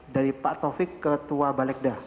dari pak taufik ketua balik dah